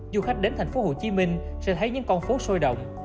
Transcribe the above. du khách đến tp hcm sẽ thấy những con phố sôi động